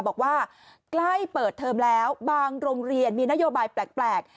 บอกว่าใกล้เปิดเทอมแล้วบางโรงเรียนมีนโยบายแปลก